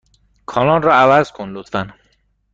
کانال را عوض کن، لطفا.